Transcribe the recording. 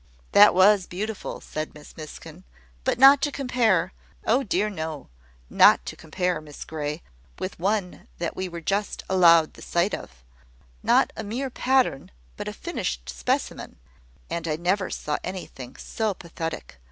"That was beautiful," said Miss Miskin, "but not to compare " "Oh, dear, no! not to compare, Miss Grey, with one that we were just allowed the sight of not a mere pattern, but a finished specimen and I never saw anything so pathetic.